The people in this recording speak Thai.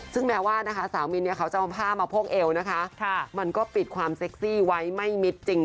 ซึ่งแม้ว่านะคะสาวมินเนี่ยเขาจะเอาผ้ามาโพกเอวนะคะมันก็ปิดความเซ็กซี่ไว้ไม่มิดจริง